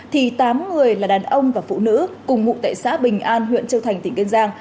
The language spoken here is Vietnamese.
thì tám người là đàn ông và phụ nữ cùng ngụ tại xã bình an huyện châu thành tỉnh kiên giang